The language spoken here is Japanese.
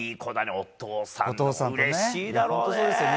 お父さんもうれしいだろうね。